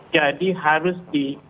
jadi harus di